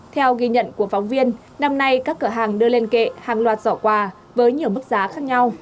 theo ghi nhận của phóng viên năm nay các cửa hàng đưa lên kệ hàng loạt giỏ quà với nhiều mức giá khác nhau